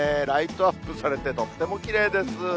ライトアップされて、とってもきれいです。